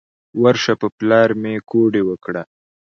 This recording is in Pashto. ورشه په پلار مې کوډې وکړه.